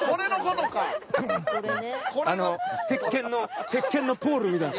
『鉄拳』の『鉄拳』のポールみたいに。